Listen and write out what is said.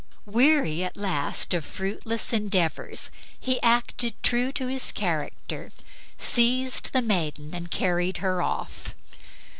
Weary at last of fruitless endeavors, he acted out his true character, seized the maiden and carried her off.